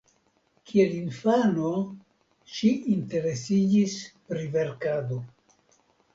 Kiel infano ŝi interesiĝis pri verkado.